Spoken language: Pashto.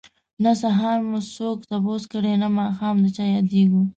نه سهار مو څوک تپوس کړي نه ماښام د چا ياديږو